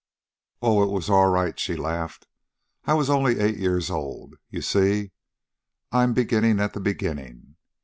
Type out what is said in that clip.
"Oh, it was all right," she laughed. "I was only eight years old. You see, I'm beginning at the beginning.